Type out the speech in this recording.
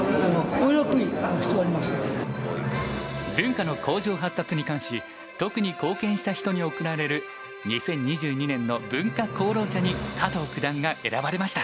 文化の向上発達に関し特に貢献した人に贈られる２０２２年の文化功労者に加藤九段が選ばれました。